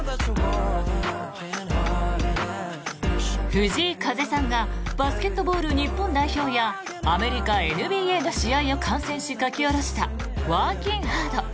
藤井風さんがバスケットボール日本代表やアメリカＮＢＡの試合を観戦し書き下ろした「Ｗｏｒｋｉｎ’Ｈａｒｄ」。